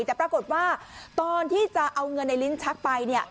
แต่ปรากฏว่าตอนที่จะเอาเงินในลิ้นชักไปเนี่ย